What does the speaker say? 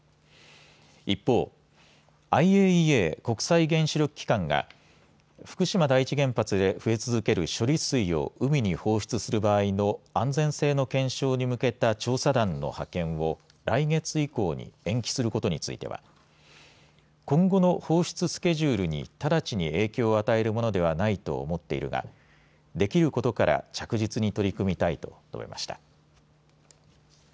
一方、ＩＡＥＡ・国際原子力機関が福島第一原発で増え続ける処理水を海に放出する場合の安全性の検証に向けた調査団の派遣を来月以降に延期することについては今後の放出スケジュールに直ちに影響を与えるものではないと思っているができることから着実に取り組みたいと述べました。